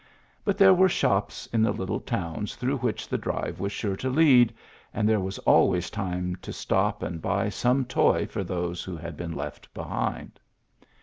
But there were shops in the little towns through which the drive was sure to lead, and there was always time to stop and buy some toy for those who had been left behind.